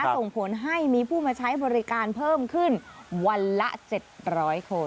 ส่งผลให้มีผู้มาใช้บริการเพิ่มขึ้นวันละ๗๐๐คน